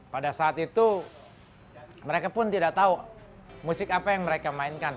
pada saat itu mereka pun tidak tahu musik apa yang mereka mainkan